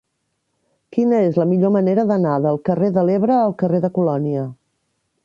Quina és la millor manera d'anar del carrer de l'Ebre al carrer de Colònia?